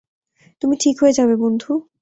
তুমি ঠিক হয়ে যাবে বন্ধু।